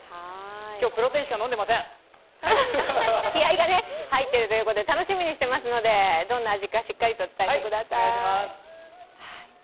今日、プロテインしか飲んでません気合いが入っているということで、楽しみにしていますのでどんな味かしっかりと伝えてください。